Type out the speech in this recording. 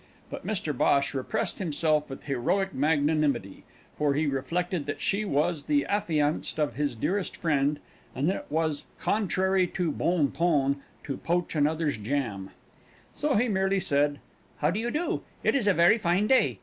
But Mr Bhosh repressed himself with heroic magnanimity, for he reflected that she was the affianced of his dearest friend and that it was contrary to bon ton to poach another's jam. So he merely said; "How do you do? It is a very fine day.